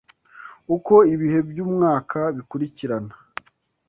uko ibihe by’umwaka bikurikirana